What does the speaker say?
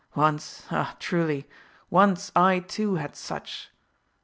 Once, ah, truly, once I too had such!